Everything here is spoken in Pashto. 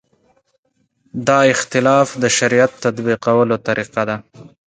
دا اختلاف د شریعت تطبیقولو طریقه ده.